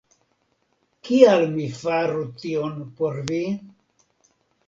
Kial mi faru tion por vi?